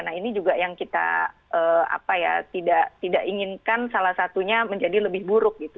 nah ini juga yang kita tidak inginkan salah satunya menjadi lebih buruk gitu